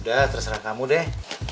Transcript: udah terserah kamu deh